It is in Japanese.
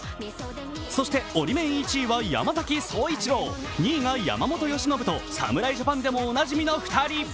そしてオリメン１位は山崎颯一郎、２位が山本由伸と侍ジャパンでもおなじみの２人。